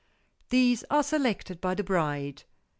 These are selected by the bride.